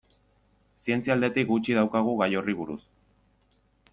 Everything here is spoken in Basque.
Zientzia aldetik gutxi daukagu gai horri buruz.